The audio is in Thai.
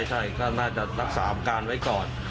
ใช่ก็น่าจะรักษาอาการไว้ก่อน